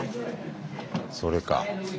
それか。